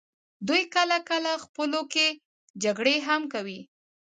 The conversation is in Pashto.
دوی کله کله خپلو کې جګړې هم کوي.